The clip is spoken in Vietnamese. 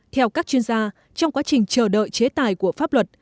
theo các chuyên gia trong quá trình chờ đợi chế tài của pháp luật